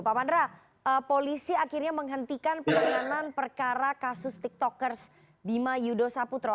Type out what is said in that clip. pak pandra polisi akhirnya menghentikan penanganan perkara kasus tiktokers bima yudho saputro